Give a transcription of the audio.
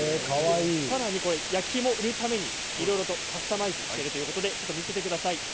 さらに焼き芋を売るためにいろいろカスタマイズしているということで見せてください。